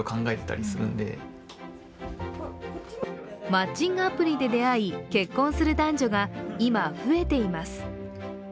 マッチングアプリで出会い、結婚する男女が今、増えています。